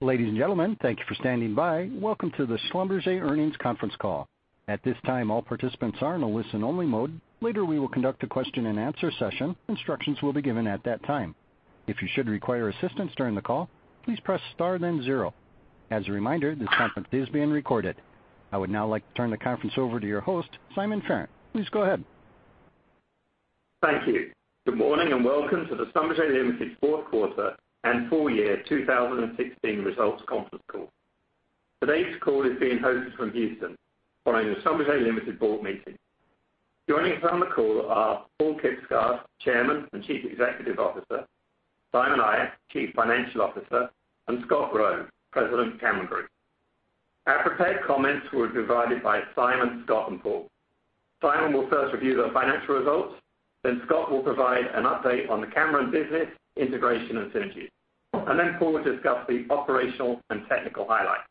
Ladies and gentlemen, thank you for standing by. Welcome to the Schlumberger Earnings Conference Call. At this time, all participants are in a listen-only mode. Later, we will conduct a question-and-answer session. Instructions will be given at that time. If you should require assistance during the call, please press star then zero. As a reminder, this conference is being recorded. I would now like to turn the conference over to your host, Simon Farrant. Please go ahead. Thank you. Good morning, and welcome to the Schlumberger Limited Fourth Quarter and Full Year 2016 Results Conference Call. Today's call is being hosted from Houston following the Schlumberger Limited board meeting. Joining us on the call are Paal Kibsgaard, Chairman and Chief Executive Officer, Simon Ayat, Chief Financial Officer, and Scott Rowe, President, Cameron Group. Our prepared comments will be provided by Simon, Scott, and Paal. Simon will first review the financial results, then Scott will provide an update on the Cameron business integration and synergy, and then Paul will discuss the operational and technical highlights.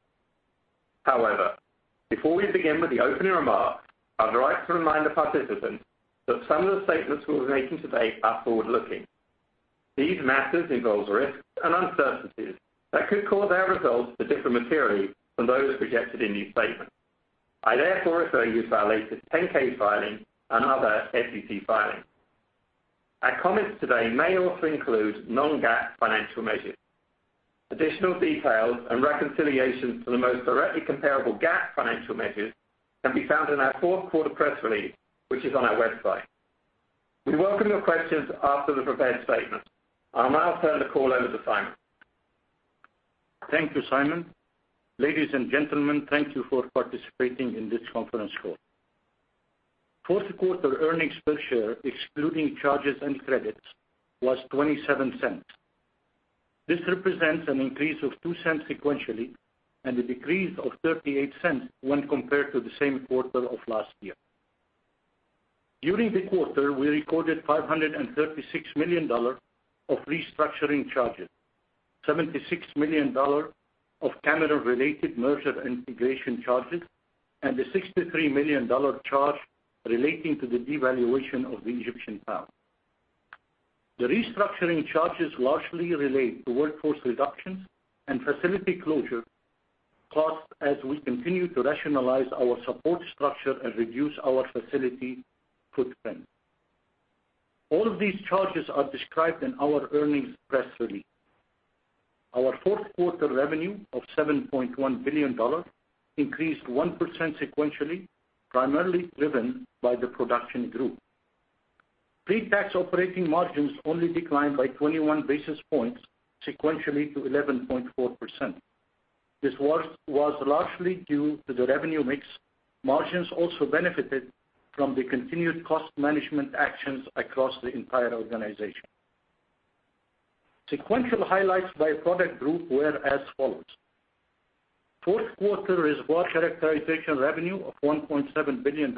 Before we begin with the opening remarks, I would like to remind the participants that some of the statements we're making today are forward-looking. These matters involve risks and uncertainties that could cause our results to differ materially from those projected in these statements. I therefore refer you to our latest 10-K filing and other SEC filings. Our comments today may also include non-GAAP financial measures. Additional details and reconciliations to the most directly comparable GAAP financial measures can be found in our fourth quarter press release, which is on our website. We welcome your questions after the prepared statements. I'll now turn the call over to Simon. Thank you, Simon. Ladies and gentlemen, thank you for participating in this conference call. Fourth quarter earnings per share, excluding charges and credits, was $0.27. This represents an increase of $0.02 sequentially and a decrease of $0.38 when compared to the same quarter of last year. During the quarter, we recorded $536 million of restructuring charges, $76 million of Cameron-related merger integration charges, and a $63 million charge relating to the devaluation of the Egyptian pound. The restructuring charges largely relate to workforce reductions and facility closure costs as we continue to rationalize our support structure and reduce our facility footprint. All of these charges are described in our earnings press release. Our fourth quarter revenue of $7.1 billion increased 1% sequentially, primarily driven by the Production group. Pre-tax operating margins only declined by 21 basis points sequentially to 11.4%. This was largely due to the revenue mix. Margins also benefited from the continued cost management actions across the entire organization. Sequential highlights by product group were as follows. Fourth quarter reservoir characterization revenue of $1.7 billion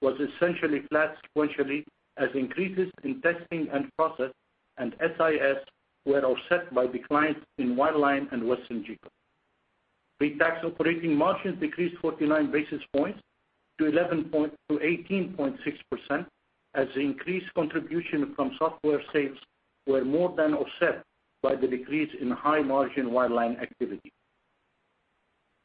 was essentially flat sequentially as increases in testing & process and SIS were offset by declines in wireline and WesternGeco. Pre-tax operating margins decreased 49 basis points to 18.6% as increased contribution from software sales were more than offset by the decrease in high-margin wireline activity.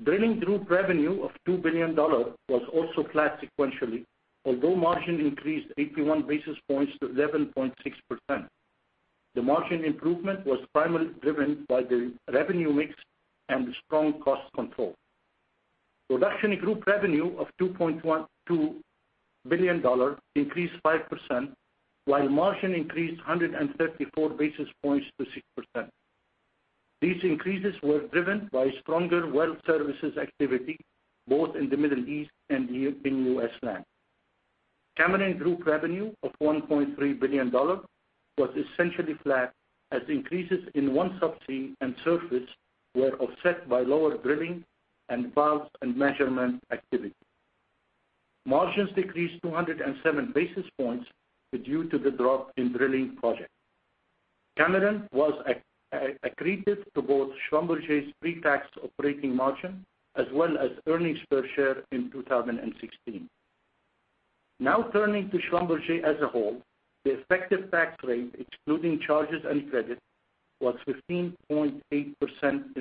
Drilling group revenue of $2 billion was also flat sequentially, although margin increased 81 basis points to 11.6%. The margin improvement was primarily driven by the revenue mix and strong cost control. Production group revenue of $2.2 billion increased 5%, while margin increased 134 basis points to 6%. These increases were driven by stronger well services activity both in the Middle East and in U.S. land. Cameron Group revenue of $1.3 billion was essentially flat as increases in OneSubsea and surface were offset by lower drilling and Valves & Measurement activity. Margins decreased 207 basis points due to the drop in drilling projects. Cameron was accretive to both Schlumberger's pre-tax operating margin as well as earnings per share in 2016. Turning to Schlumberger as a whole, the effective tax rate, excluding charges and credits, was 15.8% in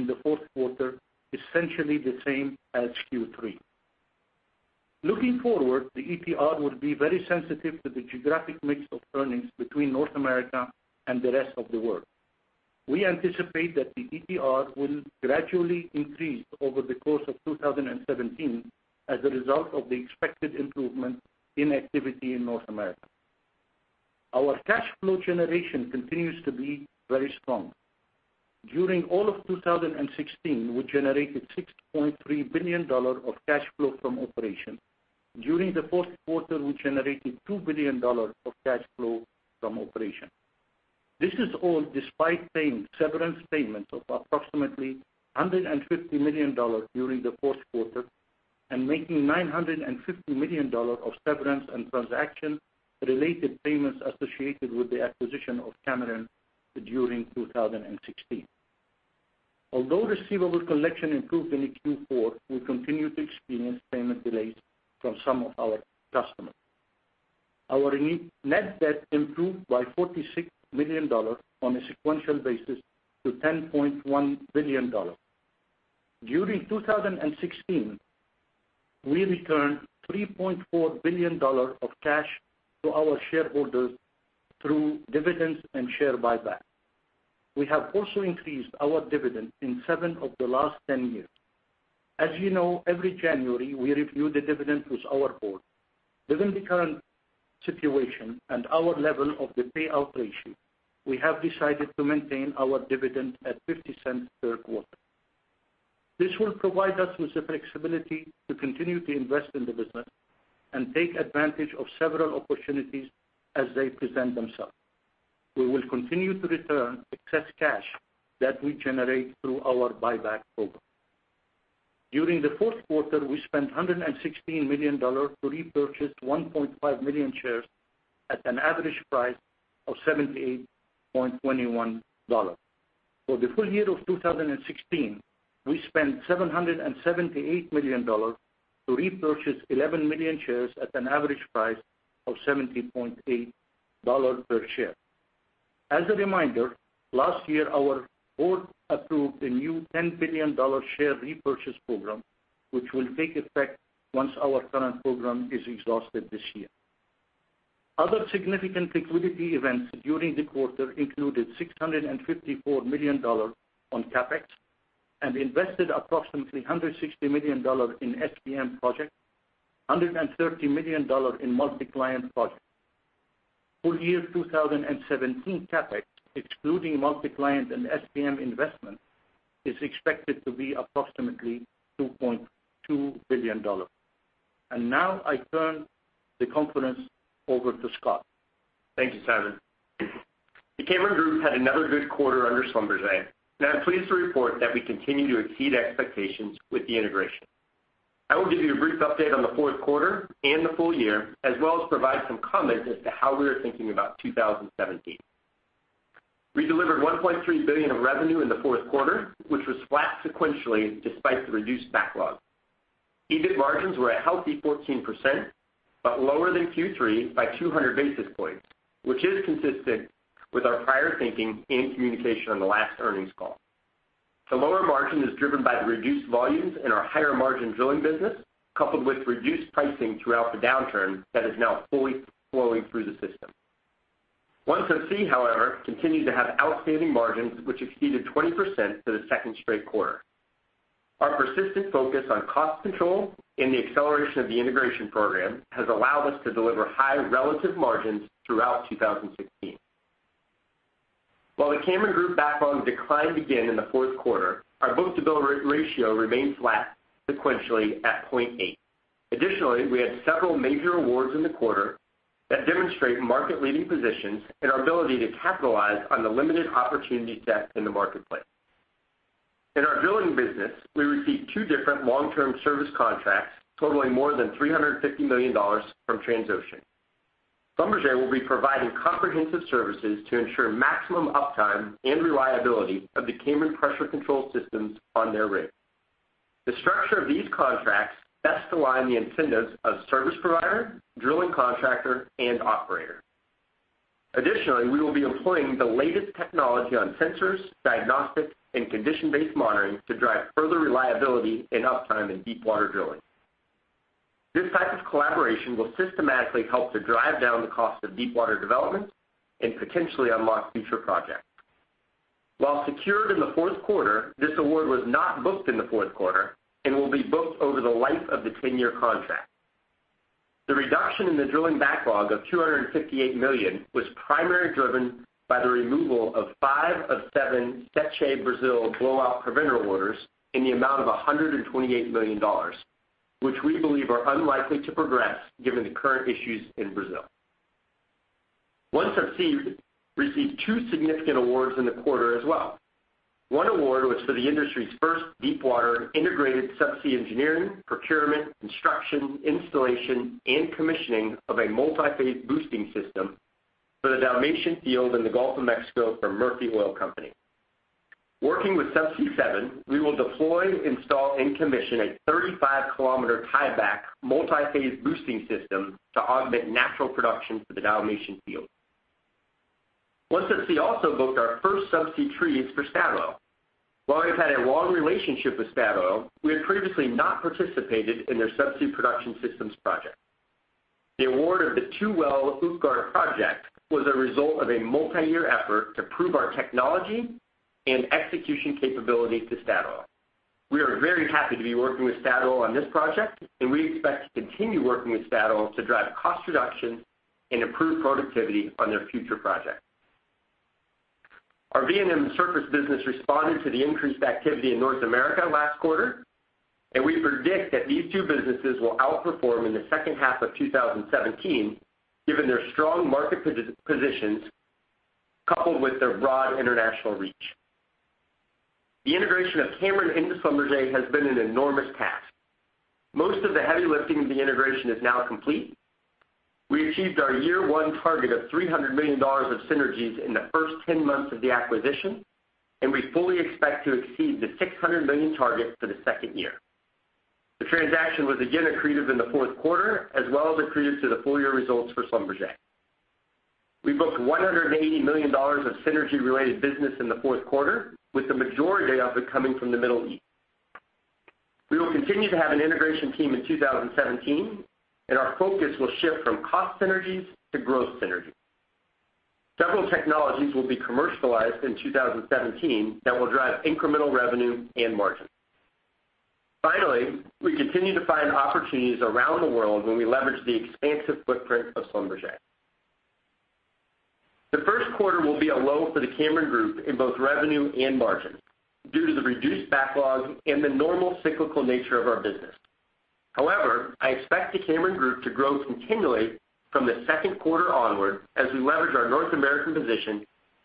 the fourth quarter, essentially the same as Q3. Looking forward, the ETR would be very sensitive to the geographic mix of earnings between North America and the rest of the world. We anticipate that the ETR will gradually increase over the course of 2017 as a result of the expected improvement in activity in North America. Our cash flow generation continues to be very strong. During all of 2016, we generated $6.3 billion of cash flow from operations. During the fourth quarter, we generated $2 billion of cash flow from operations. This is all despite paying severance payments of approximately $150 million during the fourth quarter and making $950 million of severance and transaction-related payments associated with the acquisition of Cameron during 2016. Receivable collection improved in Q4, we continue to experience payment delays from some of our customers. Our net debt improved by $46 million on a sequential basis to $10.1 billion. During 2016, we returned $3.4 billion of cash to our shareholders through dividends and share buyback. We have also increased our dividend in seven of the last 10 years. As you know, every January we review the dividend with our board. Given the current situation and our level of the payout ratio, we have decided to maintain our dividend at $0.50 per quarter. This will provide us with the flexibility to continue to invest in the business and take advantage of several opportunities as they present themselves. We will continue to return excess cash that we generate through our buyback program. During the fourth quarter, we spent $116 million to repurchase 1.5 million shares at an average price of $78.21. For the full year of 2016, we spent $778 million to repurchase 11 million shares at an average price of $70.80 per share. As a reminder, last year our board approved a new $10 billion share repurchase program, which will take effect once our current program is exhausted this year. Other significant liquidity events during the quarter included $654 million on CapEx and invested approximately $160 million in SPM projects, $130 million in multi-client projects. Full year 2017 CapEx, excluding multi-client and SPM investment, is expected to be approximately $2.2 billion. Now I turn the conference over to Scott. Thank you, Simon. The Cameron Group had another good quarter under Schlumberger, I'm pleased to report that we continue to exceed expectations with the integration. I will give you a brief update on the fourth quarter and the full year, as well as provide some comment as to how we are thinking about 2017. We delivered $1.3 billion of revenue in the fourth quarter, which was flat sequentially, despite the reduced backlog. EBIT margins were a healthy 14%, but lower than Q3 by 200 basis points, which is consistent with our prior thinking and communication on the last earnings call. The lower margin is driven by the reduced volumes in our higher-margin drilling business, coupled with reduced pricing throughout the downturn that is now fully flowing through the system. OneSubsea, however, continued to have outstanding margins, which exceeded 20% for the second straight quarter. Our persistent focus on cost control and the acceleration of the integration program has allowed us to deliver high relative margins throughout 2016. While the Cameron Group backlog decline began in the fourth quarter, our book-to-bill ratio remained flat sequentially at 0.8. Additionally, we had several major awards in the quarter that demonstrate market-leading positions and our ability to capitalize on the limited opportunity set in the marketplace. In our drilling business, we received two different long-term service contracts totaling more than $350 million from Transocean. Schlumberger will be providing comprehensive services to ensure maximum uptime and reliability of the Cameron pressure control systems on their rig. The structure of these contracts best align the incentives of service provider, drilling contractor, and operator. Additionally, we will be employing the latest technology on sensors, diagnostics, and condition-based monitoring to drive further reliability and uptime in deepwater drilling. This type of collaboration will systematically help to drive down the cost of deepwater development and potentially unlock future projects. While secured in the fourth quarter, this award was not booked in the fourth quarter and will be booked over the life of the 10-year contract. The reduction in the drilling backlog of $258 million was primarily driven by the removal of five of seven Sete Brasil blowout preventer orders in the amount of $128 million, which we believe are unlikely to progress given the current issues in Brazil. OneSubsea received two significant awards in the quarter as well. One award was for the industry's first deepwater integrated subsea engineering, procurement, construction, installation, and commissioning of a multi-phase boosting system for the Dalmatian field in the Gulf of Mexico for Murphy Oil Corporation. Working with Subsea 7, we will deploy, install, and commission a 35-kilometer tieback multi-phase boosting system to augment natural production for the Dalmatian field. OneSubsea also booked our first subsea trees for Statoil. While we've had a long relationship with Statoil, we had previously not participated in their subsea production systems project. The award of the two-well Utgard project was a result of a multi-year effort to prove our technology and execution capability to Statoil. We are very happy to be working with Statoil on this project. We expect to continue working with Statoil to drive cost reduction and improve productivity on their future projects. Our V&M Surface business responded to the increased activity in North America last quarter. We predict that these two businesses will outperform in the second half of 2017 given their strong market positions coupled with their broad international reach. The integration of Cameron into Schlumberger has been an enormous task. Most of the heavy lifting of the integration is now complete. We achieved our year one target of $300 million of synergies in the first 10 months of the acquisition. We fully expect to exceed the $600 million target for the second year. The transaction was again accretive in the fourth quarter, as well as accretive to the full-year results for Schlumberger. We booked $180 million of synergy-related business in the fourth quarter, with the majority of it coming from the Middle East. We will continue to have an integration team in 2017. Our focus will shift from cost synergies to growth synergies. Several technologies will be commercialized in 2017 that will drive incremental revenue and margin. Finally, we continue to find opportunities around the world when we leverage the expansive footprint of Schlumberger. The first quarter will be a low for the Cameron Group in both revenue and margin due to the reduced backlog and the normal cyclical nature of our business. However, I expect the Cameron Group to grow continually from the second quarter onward as we leverage our North American position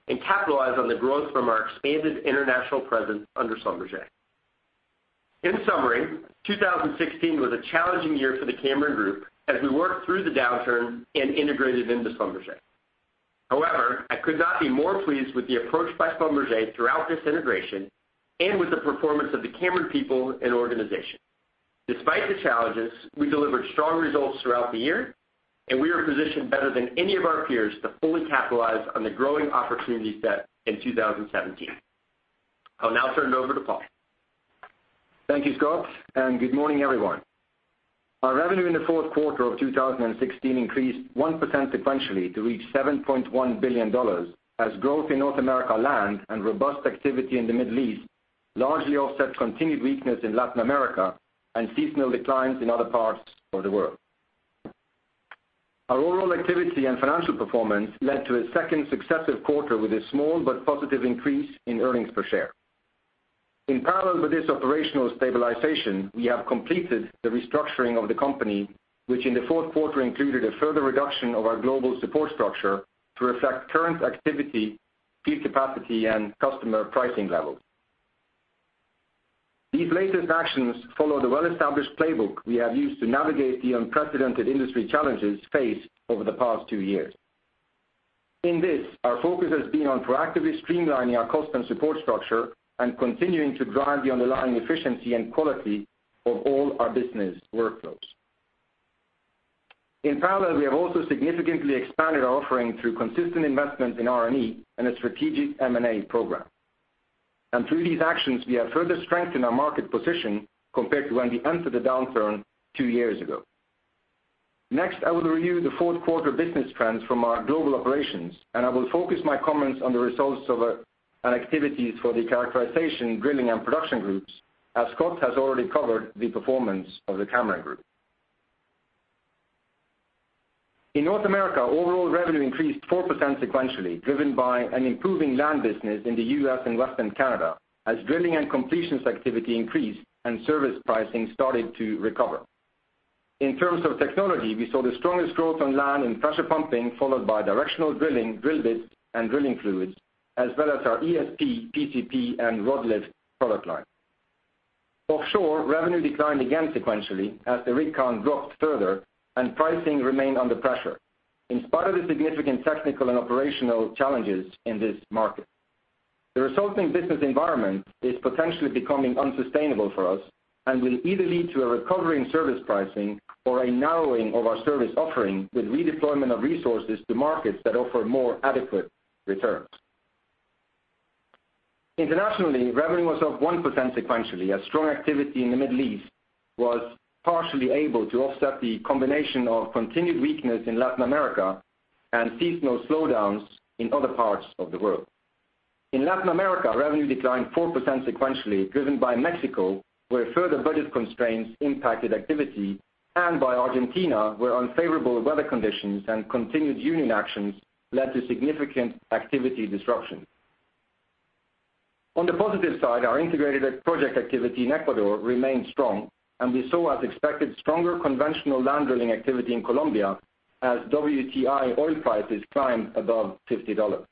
and capitalize on the growth from our expanded international presence under Schlumberger. In summary, 2016 was a challenging year for the Cameron Group as we worked through the downturn and integrated into Schlumberger. However, I could not be more pleased with the approach by Schlumberger throughout this integration and with the performance of the Cameron people and organization. Despite the challenges, we delivered strong results throughout the year. We are positioned better than any of our peers to fully capitalize on the growing opportunities set in 2017. I'll now turn it over to Paal. Thank you, Scott. Good morning, everyone. Our revenue in the fourth quarter of 2016 increased 1% sequentially to reach $7.1 billion as growth in North America land and robust activity in the Middle East largely offset continued weakness in Latin America and seasonal declines in other parts of the world. Our overall activity and financial performance led to a second successive quarter with a small but positive increase in earnings per share. In parallel with this operational stabilization, we have completed the restructuring of the company, which in the fourth quarter included a further reduction of our global support structure to reflect current activity, field capacity, and customer pricing levels. These latest actions follow the well-established playbook we have used to navigate the unprecedented industry challenges faced over the past two years. In this, our focus has been on proactively streamlining our cost and support structure and continuing to drive the underlying efficiency and quality of all our business workflows. In parallel, we have also significantly expanded our offering through consistent investment in R&E and a strategic M&A program. Through these actions, we have further strengthened our market position compared to when we entered the downturn 2 years ago. Next, I will review the fourth quarter business trends from our global operations, and I will focus my comments on the results of and activities for the characterization, drilling, and production groups, as Scott has already covered the performance of the Cameron Group. In North America, overall revenue increased 4% sequentially, driven by an improving land business in the U.S. and western Canada as drilling and completions activity increased and service pricing started to recover. In terms of technology, we saw the strongest growth on land in pressure pumping, followed by directional drilling, drill bits, and drilling fluids, as well as our ESP, PCP, and Rod Lift product line. Offshore, revenue declined again sequentially as the rig count dropped further and pricing remained under pressure, in spite of the significant technical and operational challenges in this market. The resulting business environment is potentially becoming unsustainable for us and will either lead to a recovery in service pricing or a narrowing of our service offering with redeployment of resources to markets that offer more adequate returns. Internationally, revenue was up 1% sequentially as strong activity in the Middle East was partially able to offset the combination of continued weakness in Latin America and seasonal slowdowns in other parts of the world. In Latin America, revenue declined 4% sequentially, driven by Mexico, where further budget constraints impacted activity, and by Argentina, where unfavorable weather conditions and continued union actions led to significant activity disruption. On the positive side, our integrated project activity in Ecuador remained strong, and we saw, as expected, stronger conventional land drilling activity in Colombia as WTI oil prices climbed above $50.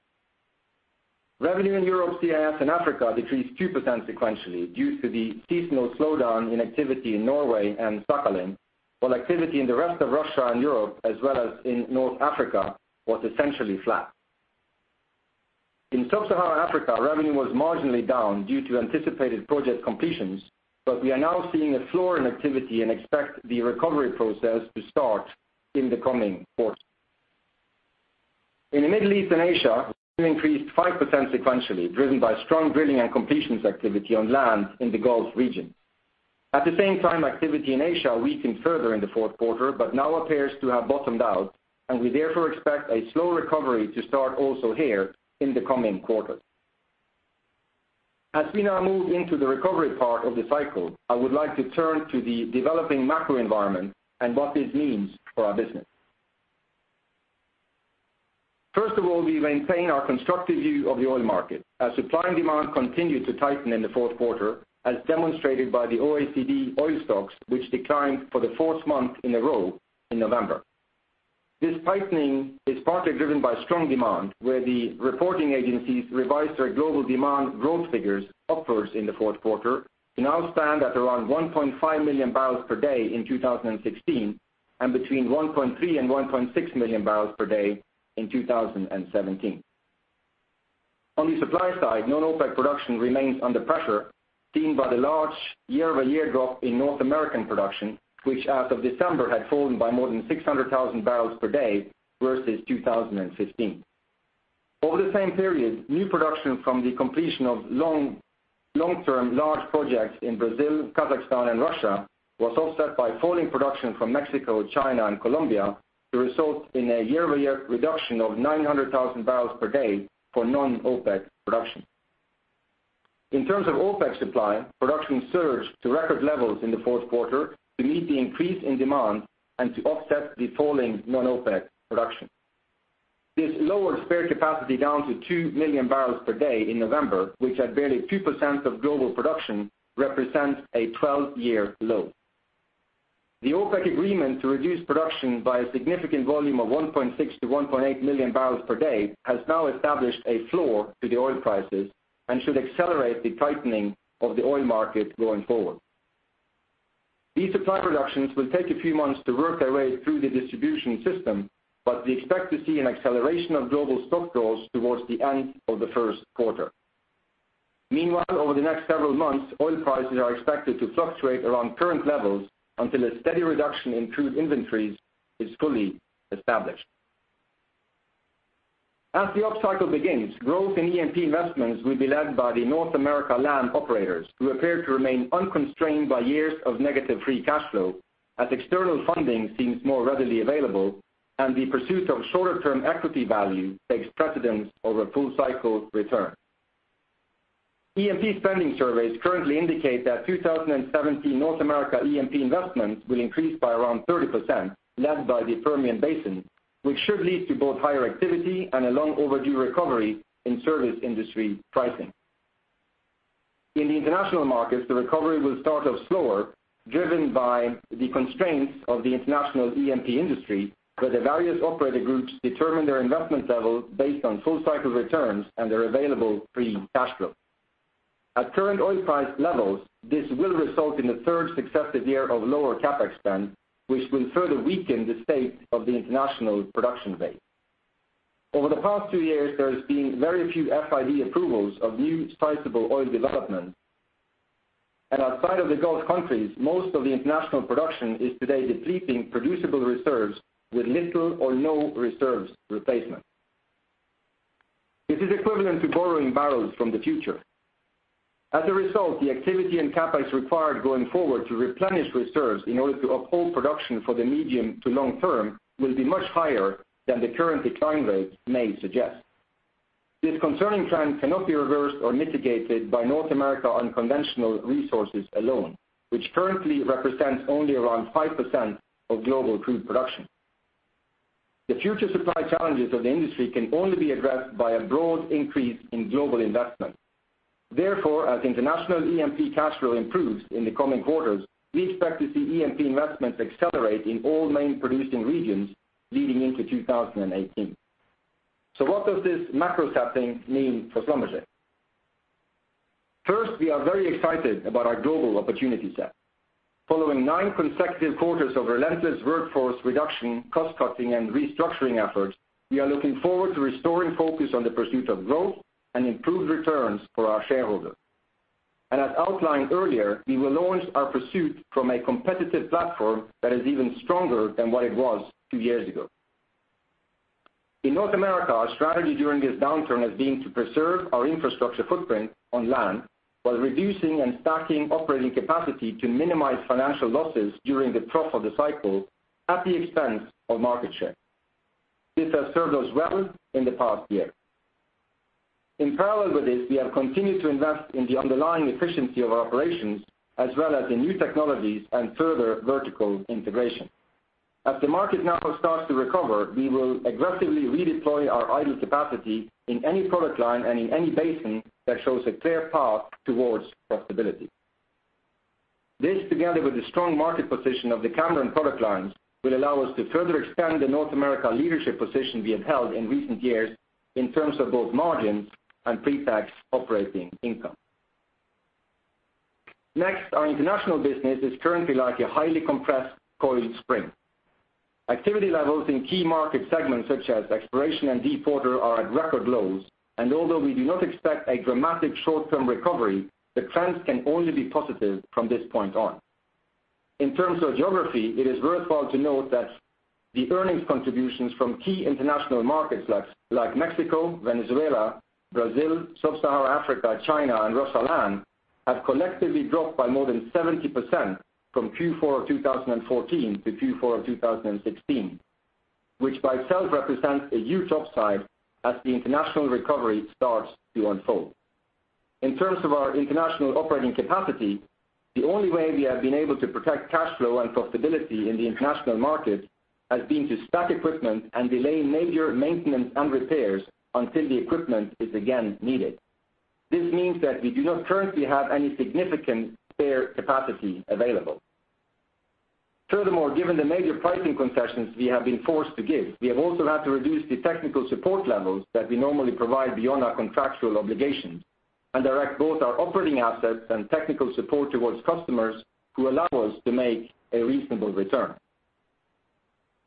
Revenue in Europe, CIS, and Africa decreased 2% sequentially due to the seasonal slowdown in activity in Norway and Sakhalin, while activity in the rest of Russia and Europe, as well as in North Africa, was essentially flat. In Sub-Saharan Africa, revenue was marginally down due to anticipated project completions, but we are now seeing a floor in activity and expect the recovery process to start in the coming quarters. In the Middle East and Asia, revenue increased 5% sequentially, driven by strong drilling and completions activity on land in the Gulf region. At the same time, activity in Asia weakened further in the fourth quarter but now appears to have bottomed out, and we therefore expect a slow recovery to start also here in the coming quarters. As we now move into the recovery part of the cycle, I would like to turn to the developing macro environment and what this means for our business. First of all, we maintain our constructive view of the oil market as supply and demand continued to tighten in the fourth quarter, as demonstrated by the OECD oil stocks, which declined for the fourth month in a row in November. This tightening is partly driven by strong demand, where the reporting agencies revised their global demand growth figures upwards in the fourth quarter to now stand at around 1.5 million barrels per day in 2016 and between 1.3 and 1.6 million barrels per day in 2017. On the supply side, non-OPEC production remains under pressure, seen by the large year-over-year drop in North American production, which as of December had fallen by more than 600,000 barrels per day versus 2015. Over the same period, new production from the completion of long-term large projects in Brazil, Kazakhstan, and Russia was offset by falling production from Mexico, China, and Colombia to result in a year-over-year reduction of 900,000 barrels per day for non-OPEC production. In terms of OPEC supply, production surged to record levels in the fourth quarter to meet the increase in demand and to offset the falling non-OPEC production. This lowered spare capacity down to 2 million barrels per day in November, which at barely 2% of global production represents a 12-year low. The OPEC agreement to reduce production by a significant volume of 1.6 to 1.8 million barrels per day has now established a floor to the oil prices and should accelerate the tightening of the oil market going forward. These supply reductions will take a few months to work their way through the distribution system. We expect to see an acceleration of global stock draws towards the end of the first quarter. Meanwhile, over the next several months, oil prices are expected to fluctuate around current levels until a steady reduction in crude inventories is fully established. As the upcycle begins, growth in E&P investments will be led by the North America land operators who appear to remain unconstrained by years of negative free cash flow, as external funding seems more readily available and the pursuit of shorter-term equity value takes precedence over full-cycle returns. E&P spending surveys currently indicate that 2017 North America E&P investments will increase by around 30%, led by the Permian Basin, which should lead to both higher activity and a long overdue recovery in service industry pricing. In the international markets, the recovery will start off slower, driven by the constraints of the international E&P industry, where the various operator groups determine their investment level based on full cycle returns and their available free cash flow. At current oil price levels, this will result in a third successive year of lower CapEx spend, which will further weaken the state of the international production base. Over the past two years, there has been very few FID approvals of new sizable oil development, and outside of the Gulf countries, most of the international production is today depleting producible reserves with little or no reserves replacement. This is equivalent to borrowing barrels from the future. As a result, the activity and CapEx required going forward to replenish reserves in order to uphold production for the medium to long term will be much higher than the current decline rates may suggest. This concerning trend cannot be reversed or mitigated by North America unconventional resources alone, which currently represents only around 5% of global crude production. The future supply challenges of the industry can only be addressed by a broad increase in global investment. As international E&P cash flow improves in the coming quarters, we expect to see E&P investments accelerate in all main producing regions leading into 2018. What does this macro setting mean for Schlumberger? First, we are very excited about our global opportunity set. Following nine consecutive quarters of relentless workforce reduction, cost-cutting, and restructuring efforts, we are looking forward to restoring focus on the pursuit of growth and improved returns for our shareholders. As outlined earlier, we will launch our pursuit from a competitive platform that is even stronger than what it was two years ago. In North America, our strategy during this downturn has been to preserve our infrastructure footprint on land while reducing and stacking operating capacity to minimize financial losses during the trough of the cycle at the expense of market share. This has served us well in the past year. In parallel with this, we have continued to invest in the underlying efficiency of our operations as well as in new technologies and further vertical integration. As the market now starts to recover, we will aggressively redeploy our idle capacity in any product line and in any basin that shows a clear path towards profitability. This, together with the strong market position of the Cameron product lines, will allow us to further extend the North America leadership position we have held in recent years in terms of both margins and pre-tax operating income. Our international business is currently like a highly compressed coiled spring. Activity levels in key market segments such as exploration and deepwater are at record lows, and although we do not expect a dramatic short-term recovery, the trends can only be positive from this point on. In terms of geography, it is worthwhile to note that the earnings contributions from key international markets like Mexico, Venezuela, Brazil, Sub-Saharan Africa, China, and Russia land have collectively dropped by more than 70% from Q4 of 2014 to Q4 of 2016, which by itself represents a huge upside as the international recovery starts to unfold. In terms of our international operating capacity, the only way we have been able to protect cash flow and profitability in the international market has been to stack equipment and delay major maintenance and repairs until the equipment is again needed. This means that we do not currently have any significant spare capacity available. Given the major pricing concessions we have been forced to give, we have also had to reduce the technical support levels that we normally provide beyond our contractual obligations and direct both our operating assets and technical support towards customers who allow us to make a reasonable return.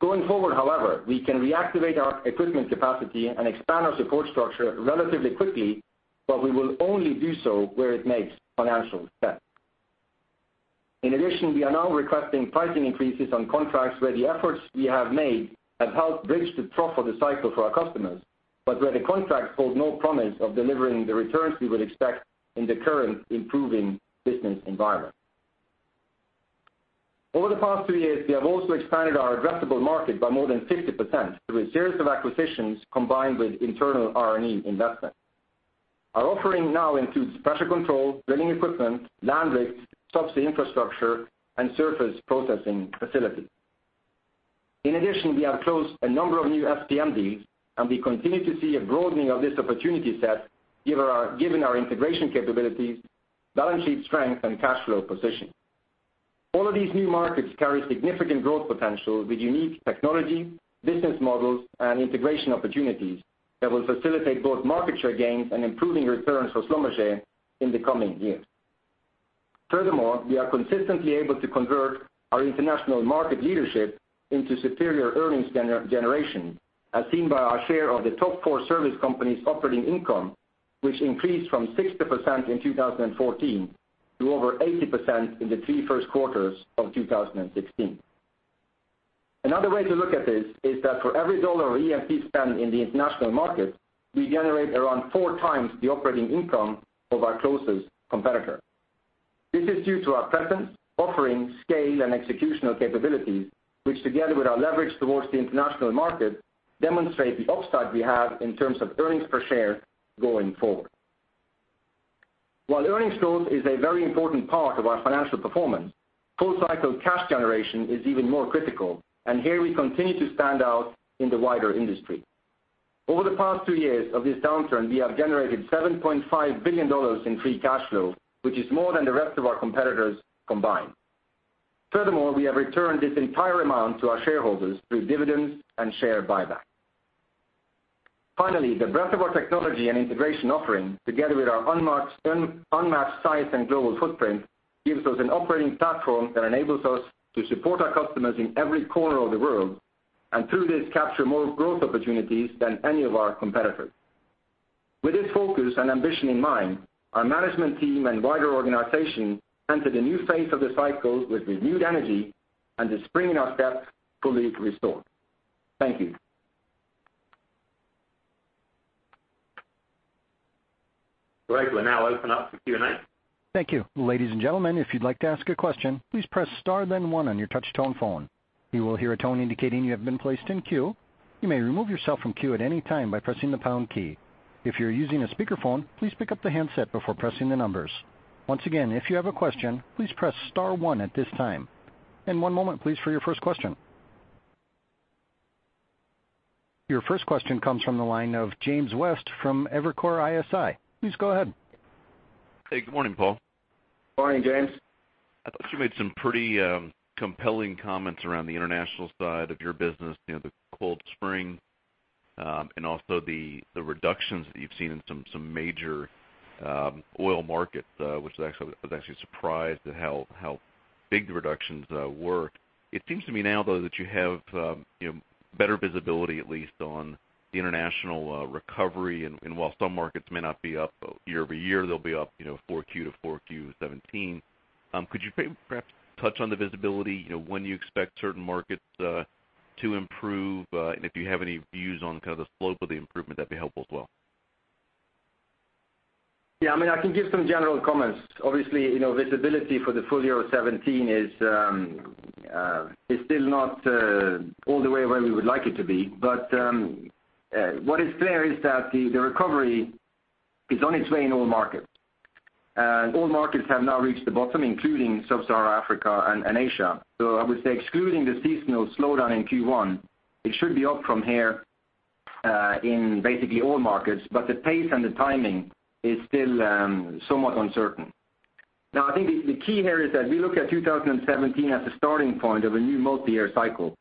However, we can reactivate our equipment capacity and expand our support structure relatively quickly, but we will only do so where it makes financial sense. We are now requesting pricing increases on contracts where the efforts we have made have helped bridge the trough of the cycle for our customers, but where the contracts hold no promise of delivering the returns we would expect in the current improving business environment. Over the past three years, we have also expanded our addressable market by more than 50% through a series of acquisitions combined with internal R&E investments. Our offering now includes pressure control, drilling equipment, land rigs, subsea infrastructure, and surface processing facilities. In addition, we have closed a number of new SPM deals, and we continue to see a broadening of this opportunity set given our integration capabilities, balance sheet strength, and cash flow position. All of these new markets carry significant growth potential with unique technology, business models, and integration opportunities that will facilitate both market share gains and improving returns for Schlumberger in the coming years. We are consistently able to convert our international market leadership into superior earnings generation, as seen by our share of the top four service companies' operating income, which increased from 60% in 2014 to over 80% in the three first quarters of 2016. Another way to look at this is that for every $ of E&P spend in the international market, we generate around four times the operating income of our closest competitor. This is due to our presence, offering scale and executional capabilities, which together with our leverage towards the international market, demonstrate the upside we have in terms of earnings per share going forward. While earnings growth is a very important part of our financial performance, full-cycle cash generation is even more critical, and here we continue to stand out in the wider industry. Over the past two years of this downturn, we have generated $7.5 billion in free cash flow, which is more than the rest of our competitors combined. We have returned this entire amount to our shareholders through dividends and share buyback. The breadth of our technology and integration offering, together with our unmatched size and global footprint, gives us an operating platform that enables us to support our customers in every corner of the world, and through this, capture more growth opportunities than any of our competitors. With this focus and ambition in mind, our management team and wider organization enter the new phase of the cycle with renewed energy and the spring in our step fully restored. Thank you. Great. We'll now open up for Q&A. Thank you. Ladies and gentlemen, if you'd like to ask a question, please press star one on your touch tone phone. You will hear a tone indicating you have been placed in queue. You may remove yourself from queue at any time by pressing the pound key. If you're using a speakerphone, please pick up the handset before pressing the numbers. Once again, if you have a question, please press star one at this time. One moment, please, for your first question. Your first question comes from the line of James West from Evercore ISI. Please go ahead. Hey, good morning, Paal. Morning, James. I thought you made some pretty compelling comments around the international side of your business, the coiled spring, and also the reductions that you've seen in some major oil markets. I was actually surprised at how big the reductions were. It seems to me now, though, that you have better visibility, at least on the international recovery. While some markets may not be up year-over-year, they'll be up 4Q to 4Q 2017. Could you perhaps touch on the visibility, when you expect certain markets to improve? If you have any views on the slope of the improvement, that'd be helpful as well. Yeah, I can give some general comments. Obviously, visibility for the full year of 2017 is still not all the way where we would like it to be. What is clear is that the recovery is on its way in all markets. All markets have now reached the bottom, including Sub-Saharan Africa and Asia. Excluding the seasonal slowdown in Q1, it should be up from here in basically all markets, but the pace and the timing is still somewhat uncertain. I think the key here is that we look at 2017 as a starting point of a new multi-year cycle,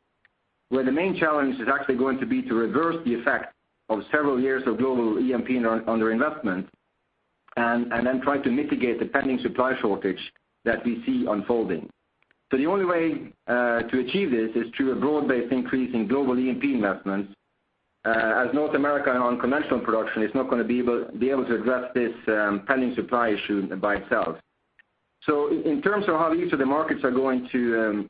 where the main challenge is actually going to be to reverse the effect of several years of global E&P under-investment, and then try to mitigate the pending supply shortage that we see unfolding. The only way to achieve this is through a broad-based increase in global E&P investments, as North America on conventional production is not going to be able to address this pending supply issue by itself. In terms of how each of the markets are going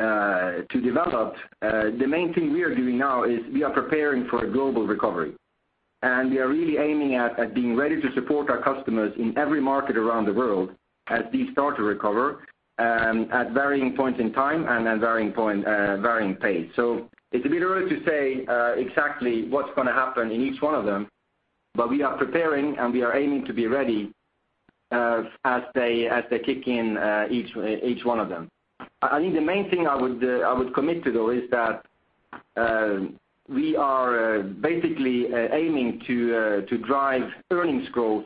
to develop, the main thing we are doing now is we are preparing for a global recovery. We are really aiming at being ready to support our customers in every market around the world as these start to recover at varying points in time and at varying pace. It's a bit early to say exactly what's going to happen in each one of them, we are preparing, and we are aiming to be ready as they kick in, each one of them. I think the main thing I would commit to, though, is that we are basically aiming to drive earnings growth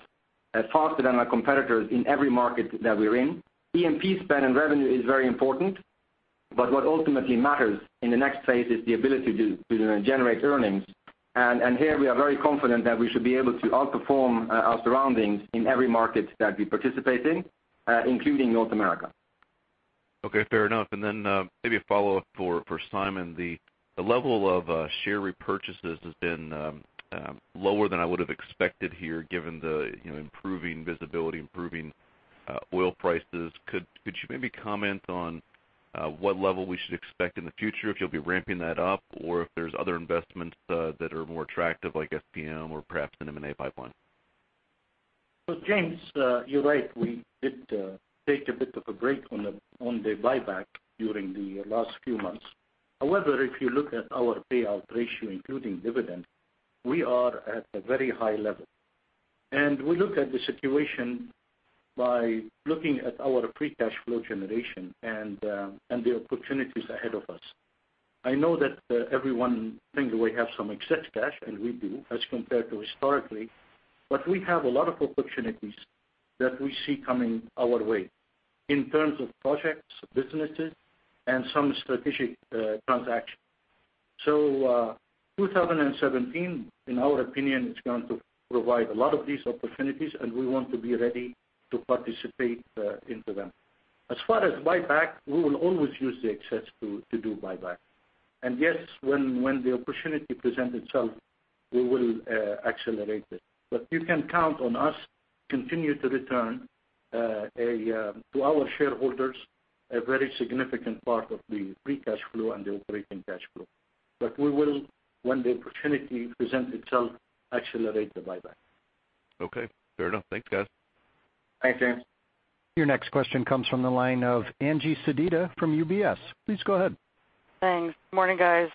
faster than our competitors in every market that we're in. E&P spend and revenue is very important, what ultimately matters in the next phase is the ability to generate earnings. Here we are very confident that we should be able to outperform our surroundings in every market that we participate in, including North America. Okay, fair enough. Maybe a follow-up for Simon. The level of share repurchases has been lower than I would have expected here, given the improving visibility, improving oil prices. Could you maybe comment on what level we should expect in the future, if you'll be ramping that up, or if there's other investments that are more attractive, like SPM or perhaps an M&A pipeline? James, you're right. We did take a bit of a break on the buyback during the last few months. However, if you look at our payout ratio including dividend, we are at a very high level. We look at the situation by looking at our free cash flow generation and the opportunities ahead of us. I know that everyone thinks we have some excess cash, and we do, as compared to historically. We have a lot of opportunities that we see coming our way in terms of projects, businesses, and some strategic transactions. 2017, in our opinion, is going to provide a lot of these opportunities, and we want to be ready to participate into them. As far as buyback, we will always use the excess to do buyback. Yes, when the opportunity presents itself, we will accelerate it. You can count on us continue to return to our shareholders a very significant part of the free cash flow and the operating cash flow. We will, when the opportunity presents itself, accelerate the buyback. Okay. Fair enough. Thanks, guys. Thanks, James. Your next question comes from the line of Angie Sedita from UBS. Please go ahead. Thanks. Morning, guys.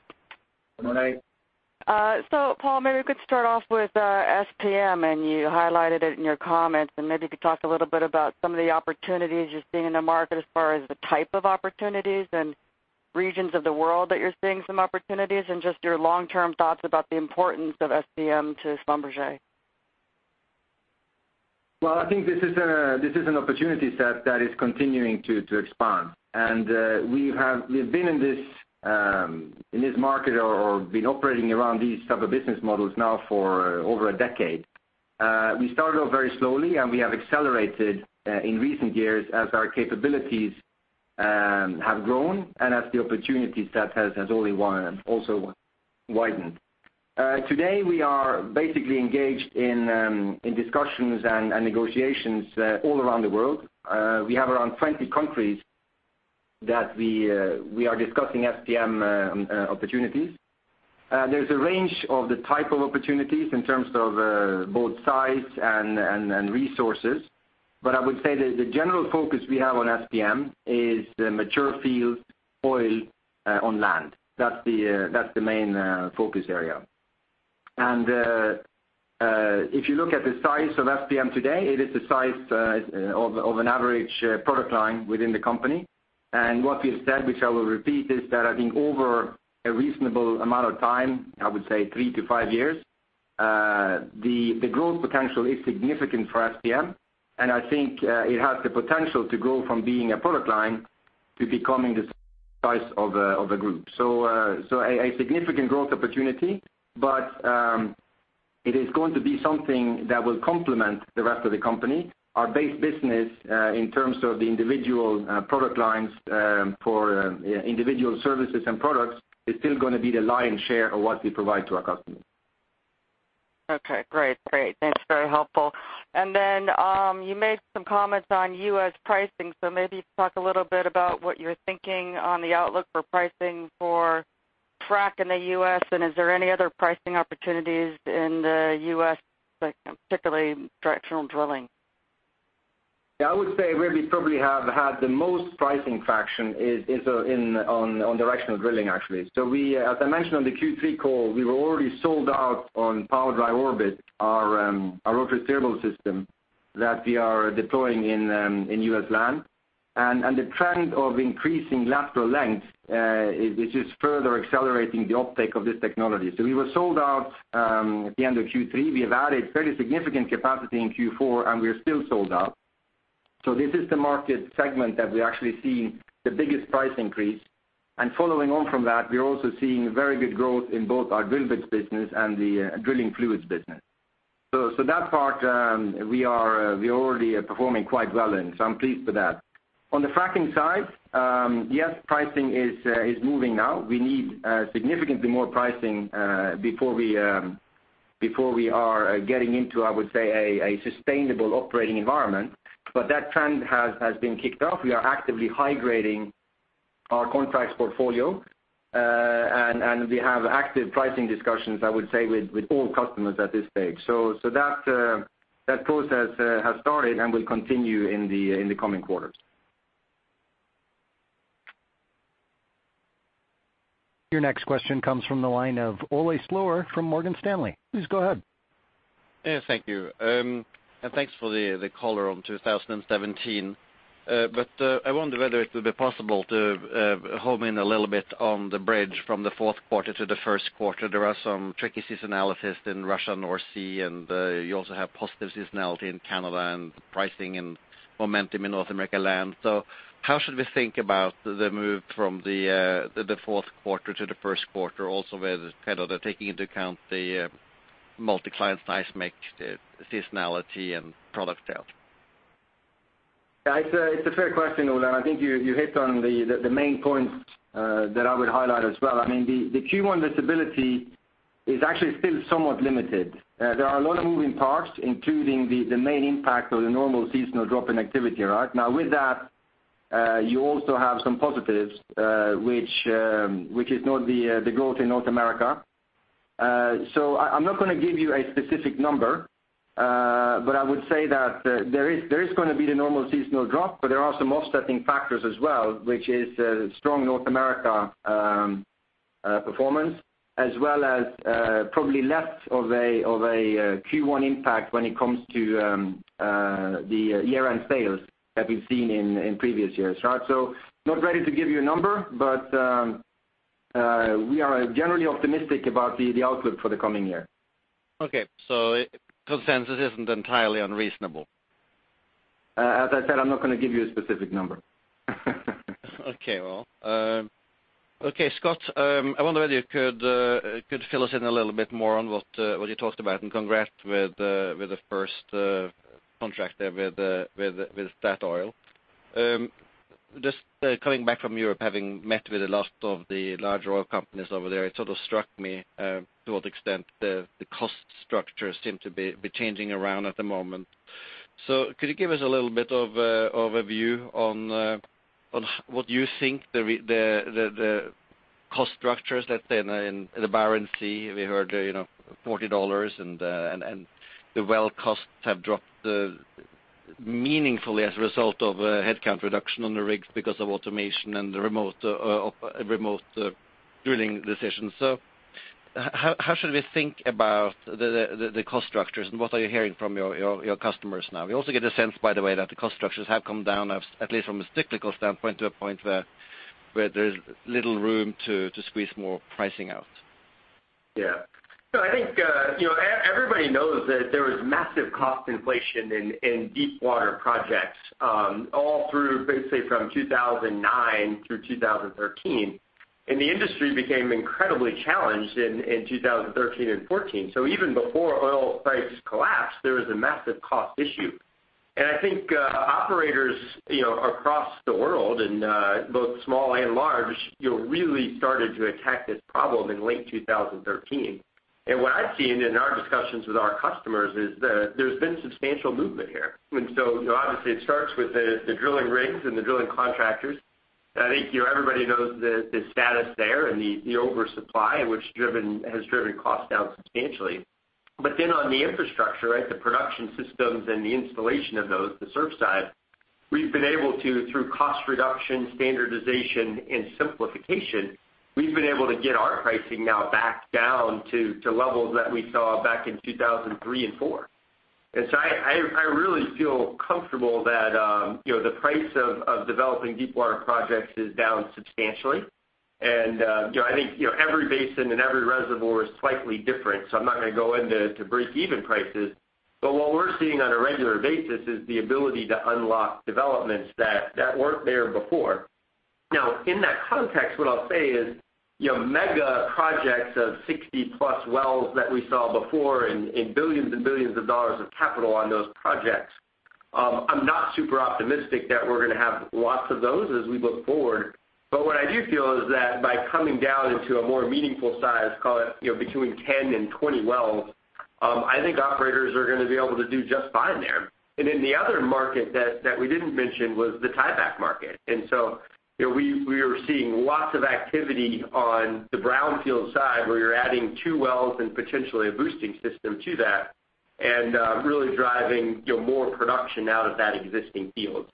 Morning. Paal, maybe we could start off with SPM, and you highlighted it in your comments. Maybe you could talk a little bit about some of the opportunities you're seeing in the market as far as the type of opportunities and regions of the world that you're seeing some opportunities, and just your long-term thoughts about the importance of SPM to Schlumberger. I think this is an opportunity set that is continuing to expand. We have been in this market or been operating around these type of business models now for over a decade. We started off very slowly, and we have accelerated in recent years as our capabilities have grown and as the opportunity set has also widened. Today we are basically engaged in discussions and negotiations all around the world. We have around 20 countries that we are discussing SPM opportunities. There's a range of the type of opportunities in terms of both size and resources. I would say that the general focus we have on SPM is mature field oil on land. That's the main focus area. If you look at the size of SPM today, it is the size of an average product line within the company. What we've said, which I will repeat, is that I think over a reasonable amount of time, I would say 3-5 years, the growth potential is significant for SPM. I think it has the potential to grow from being a product line to becoming the size of a group. A significant growth opportunity, but it is going to be something that will complement the rest of the company. Our base business, in terms of the individual product lines for individual services and products, is still going to be the lion's share of what we provide to our customers. Okay, great. Thanks. Very helpful. You made some comments on U.S. pricing. Maybe talk a little bit about what you're thinking on the outlook for pricing for frac in the U.S., and is there any other pricing opportunities in the U.S., particularly directional drilling? I would say where we probably have had the most pricing traction is on directional drilling, actually. As I mentioned on the Q3 call, we were already sold out on PowerDrive Orbit, our rotary steerable system that we are deploying in U.S. land. The trend of increasing lateral length is just further accelerating the uptake of this technology. We were sold out at the end of Q3. We have added very significant capacity in Q4, and we are still sold out. This is the market segment that we are actually seeing the biggest price increase. Following on from that, we are also seeing very good growth in both our drill bits business and the drilling fluids business. That part we are already performing quite well in, so I'm pleased with that. On the fracking side, yes, pricing is moving now. We need significantly more pricing before we are getting into, I would say, a sustainable operating environment. That trend has been kicked off. We are actively high-grading our contracts portfolio, and we have active pricing discussions, I would say, with all customers at this stage. That process has started and will continue in the coming quarters. Your next question comes from the line of Ole Slorer from Morgan Stanley. Please go ahead. Yes, thank you. Thanks for the color on 2017. I wonder whether it would be possible to home in a little bit on the bridge from the fourth quarter to the first quarter. There are some tricky seasonalities in Russia, North Sea, and you also have positive seasonality in Canada and pricing and momentum in North America land. How should we think about the move from the fourth quarter to the first quarter, also taking into account the multi-client seismic, seasonality, and product sales. Yeah, it's a fair question, Ole. I think you hit on the main points that I would highlight as well. The Q1 visibility is actually still somewhat limited. There are a lot of moving parts, including the main impact of the normal seasonal drop in activity. Now with that, you also have some positives, which is not the growth in North America. I'm not going to give you a specific number, but I would say that there is going to be the normal seasonal drop, but there are some offsetting factors as well, which is strong North America performance, as well as probably less of a Q1 impact when it comes to the year-end sales that we've seen in previous years. Not ready to give you a number, but we are generally optimistic about the outlook for the coming year. Okay, consensus isn't entirely unreasonable. As I said, I'm not going to give you a specific number. Well, Scott, I wonder whether you could fill us in a little bit more on what you talked about, and congrats with the first contract there with Statoil. Just coming back from Europe, having met with a lot of the larger oil companies over there, it sort of struck me to what extent the cost structure seem to be changing around at the moment. Could you give us a little bit of a view on what you think the cost structures that in the Barents Sea, we heard $40 and the well costs have dropped meaningfully as a result of a headcount reduction on the rigs because of automation and the remote drilling decisions. How should we think about the cost structures and what are you hearing from your customers now? We also get a sense, by the way, that the cost structures have come down, at least from a cyclical standpoint, to a point where there's little room to squeeze more pricing out. Yeah. I think everybody knows that there was massive cost inflation in deepwater projects all through, basically from 2009 through 2013, and the industry became incredibly challenged in 2013 and 2014. Even before oil prices collapsed, there was a massive cost issue. I think operators across the world, in both small and large, really started to attack this problem in late 2013. What I've seen in our discussions with our customers is that there's been substantial movement here. Obviously it starts with the drilling rigs and the drilling contractors. I think everybody knows the status there and the oversupply, which has driven costs down substantially. On the infrastructure, the production systems and the installation of those, the SURF side, we've been able to, through cost reduction, standardization, and simplification, we've been able to get our pricing now back down to levels that we saw back in 2003 and 2004. I really feel comfortable that the price of developing deepwater projects is down substantially. I think every basin and every reservoir is slightly different, so I'm not going to go into breakeven prices, but what we're seeing on a regular basis is the ability to unlock developments that weren't there before. In that context, what I'll say is, mega projects of 60-plus wells that we saw before and billions and billions of dollars of capital on those projects, I'm not super optimistic that we're going to have lots of those as we look forward. What I do feel is that by coming down into a more meaningful size, call it between 10 and 20 wells, I think operators are going to be able to do just fine there. The other market that we didn't mention was the tieback market. We are seeing lots of activity on the brownfield side, where you're adding two wells and potentially a boosting system to that, and really driving more production out of that existing field.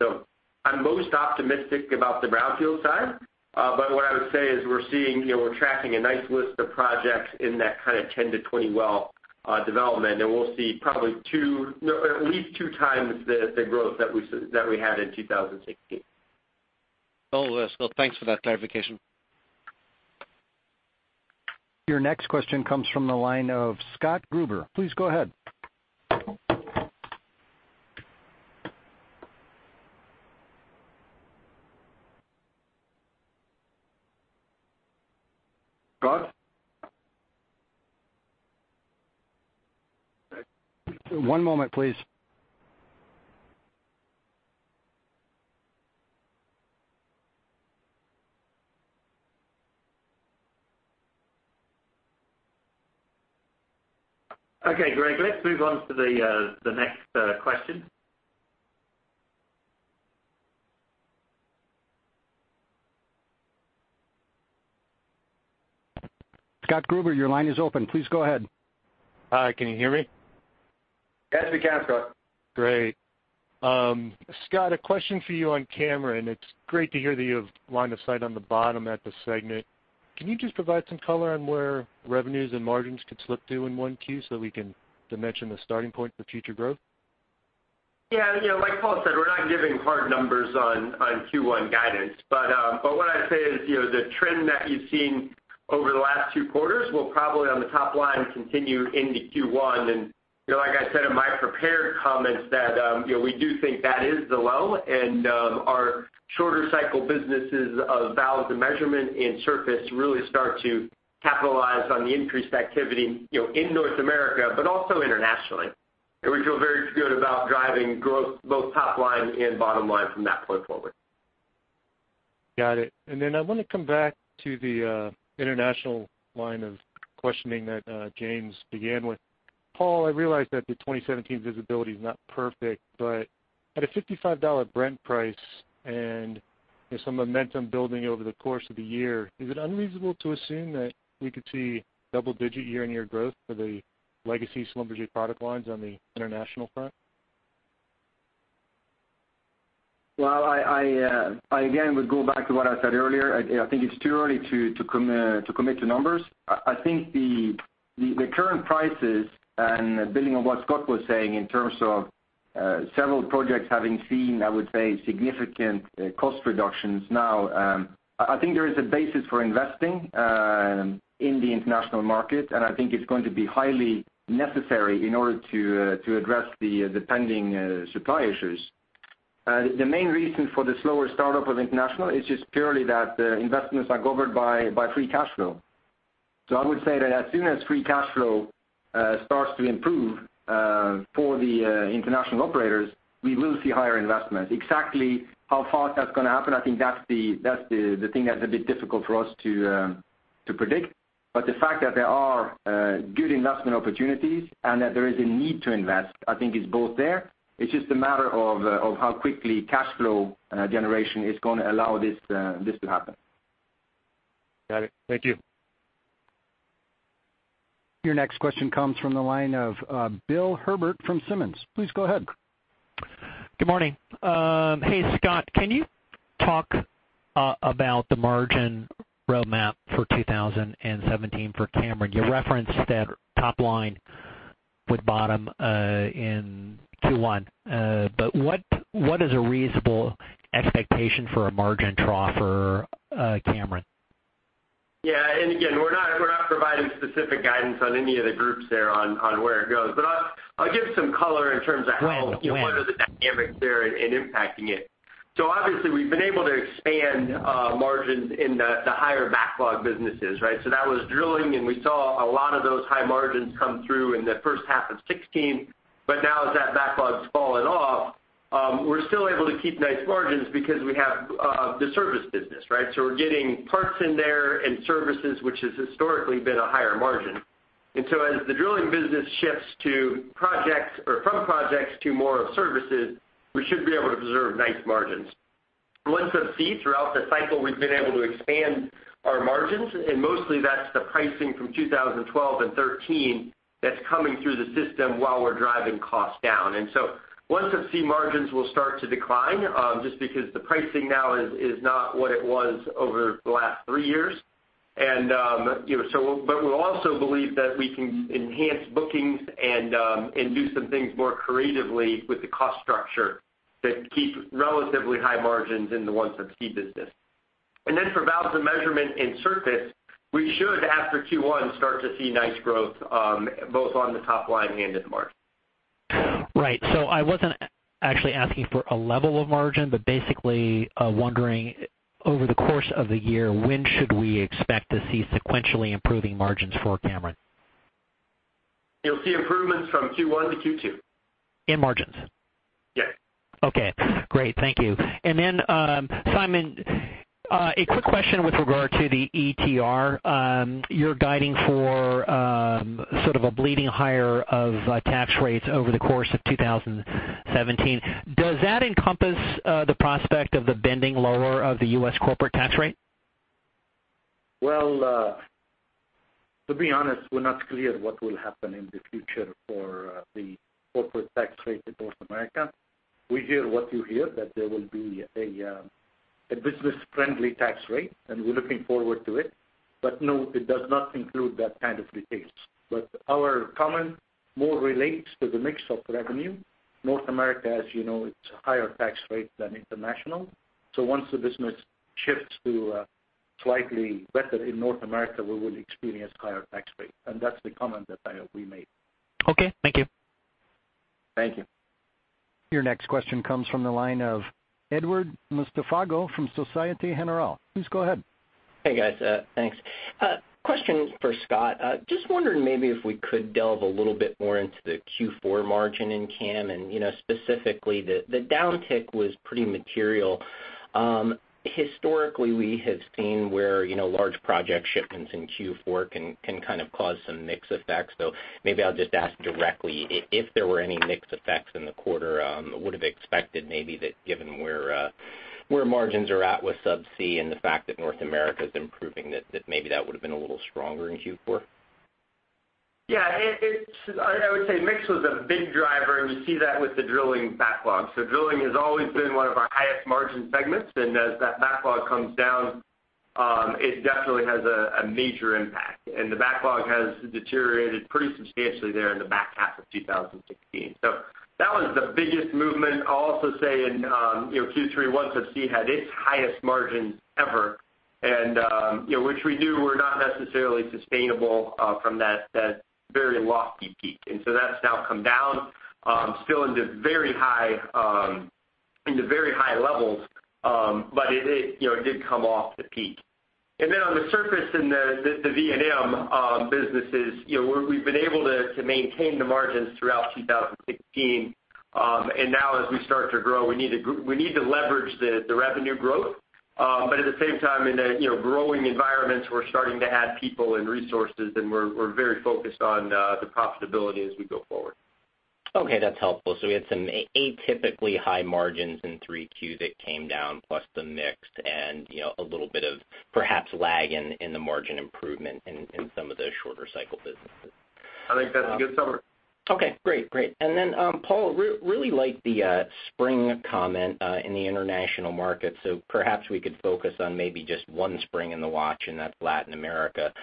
I'm most optimistic about the brownfield side. What I would say is we're tracking a nice list of projects in that kind of 10 to 20 well development, and we'll see probably at least two times the growth that we had in 2016. Well, Scott, thanks for that clarification. Your next question comes from the line of Scott Gruber. Please go ahead. Scott? One moment, please. Okay, Greg, let's move on to the next question. Scott Gruber, your line is open. Please go ahead. Hi, can you hear me? Yes, we can, Scott. Great. Scott, a question for you on Cameron. It's great to hear that you have line of sight on the bottom at the segment. Can you just provide some color on where revenues and margins could slip to in 1Q so we can dimension the starting point for future growth? Yeah. Like Paul said, we're not giving hard numbers on Q1 guidance. What I'd say is, the trend that you've seen over the last two quarters will probably on the top line continue into Q1. Like I said in my prepared comments that we do think that is the low and our shorter cycle businesses of Valves & Measurement and Surface really start to capitalize on the increased activity in North America, but also internationally. We feel very good about driving growth, both top line and bottom line from that point forward. Got it. I want to come back to the international line of questioning that James began with. Paul, I realize that the 2017 visibility is not perfect, but at a $55 Brent price and some momentum building over the course of the year, is it unreasonable to assume that we could see double digit year-on-year growth for the legacy Schlumberger product lines on the international front? Well, I again would go back to what I said earlier. I think it's too early to commit to numbers. I think the current prices, and building on what Scott was saying in terms of several projects having seen, I would say, significant cost reductions now. I think there is a basis for investing in the international market, and I think it's going to be highly necessary in order to address the pending supply issues. The main reason for the slower startup of international is just purely that investments are governed by free cash flow. I would say that as soon as free cash flow starts to improve for the international operators, we will see higher investments. Exactly how fast that's going to happen, I think that's the thing that's a bit difficult for us to predict. The fact that there are good investment opportunities and that there is a need to invest, I think is both there. It's just a matter of how quickly cash flow generation is going to allow this to happen. Got it. Thank you. Your next question comes from the line of Bill Herbert from Simmons. Please go ahead. Good morning. Scott, can you talk about the margin roadmap for 2017 for Cameron? You referenced that top line would bottom in Q1. What is a reasonable expectation for a margin trough for Cameron? Yeah. Again, we're not providing specific guidance on any of the groups there on where it goes. I'll give some color in terms of. Right What are the dynamics there in impacting it. Obviously, we've been able to expand margins in the higher backlog businesses, right? That was Drilling, and we saw a lot of those high margins come through in the first half of 2016. Now as that backlog's fallen off, we're still able to keep nice margins because we have the service business, right? We're getting parts in there and services, which has historically been a higher margin. As the drilling business shifts from projects to more of services, we should be able to preserve nice margins. Once you see throughout the cycle, we've been able to expand our margins, and mostly that's the pricing from 2012 and 2013 that's coming through the system while we're driving costs down. OneSubsea margins will start to decline, just because the pricing now is not what it was over the last three years. We also believe that we can enhance bookings and do some things more creatively with the cost structure that keep relatively high margins in the OneSubsea business. Then for Valves & Measurement and Surface, we should, after Q1, start to see nice growth both on the top line and in the margin. I wasn't actually asking for a level of margin, but basically wondering over the course of the year, when should we expect to see sequentially improving margins for Cameron? You'll see improvements from Q1 to Q2. In margins? Yes. Okay, great. Thank you. Simon, a quick question with regard to the ETR. You're guiding for sort of a bleeding higher of tax rates over the course of 2017. Does that encompass the prospect of the bending lower of the U.S. corporate tax rate? Well, to be honest, we're not clear what will happen in the future for the corporate tax rate in North America. We hear what you hear, that there will be a business-friendly tax rate, and we're looking forward to it. No, it does not include that kind of details. Our comment more relates to the mix of revenue. North America, as you know, it's a higher tax rate than international. Once the business shifts to slightly better in North America, we will experience higher tax rates. That's the comment that we made. Okay, thank you. Thank you. Your next question comes from the line of Edward Muztafago from Société Générale. Please go ahead. Hey, guys. Thanks. Question for Scott. Just wondering maybe if we could delve a little bit more into the Q4 margin in Cam. Specifically, the downtick was pretty material. Historically, we have seen where large project shipments in Q4 can kind of cause some mix effects. Maybe I'll just ask directly if there were any mix effects in the quarter, would have expected maybe that given where margins are at with subsea and the fact that North America is improving, that maybe that would have been a little stronger in Q4? Yeah. I would say mix was a big driver. You see that with the drilling backlog. Drilling has always been one of our highest margin segments. As that backlog comes down, it definitely has a major impact. The backlog has deteriorated pretty substantially there in the back half of 2016. That was the biggest movement. I'll also say in Q3, OneSubsea had its highest margins ever. Which we knew were not necessarily sustainable from that very lofty peak. That's now come down, still into very high levels. It did come off the peak. On the surface, in the V&M businesses, we've been able to maintain the margins throughout 2016. Now as we start to grow, we need to leverage the revenue growth. At the same time, in growing environments, we're starting to add people and resources. We're very focused on the profitability as we go forward. Okay, that's helpful. We had some atypically high margins in Q3 that came down plus the mix and a little bit of perhaps lag in the margin improvement in some of those shorter cycle businesses. I think that's a good summary. Okay, great. Paal, really liked the spring comment, in the international market. Perhaps we could focus on maybe just one spring in the watch, and that's Latin America.